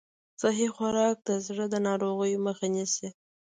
صحي خوراک د زړه د ناروغیو مخه نیسي.